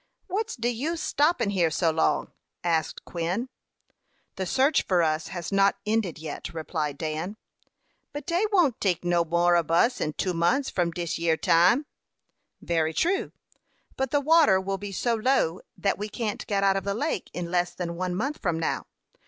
"What's de use stoppin here so long?" asked Quin. "The search for us has not ended yet," replied Dan. "But dey won't tink no more ob us in two monfs from dis yere time." "Very true; but the water will be so low that we can't get out of the lake in less than one month from now.